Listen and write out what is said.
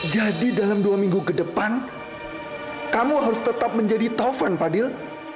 jadi dalam dua minggu ke depan kamu harus tetap menjadi taufan fadil